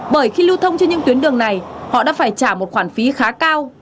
bởi khi lưu thông trên những tuyến đường này họ đã phải trả một khoản phí khá cao